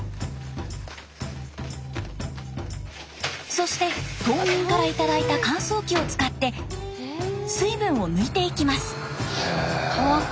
そして島民から頂いた乾燥機を使って水分を抜いていきます。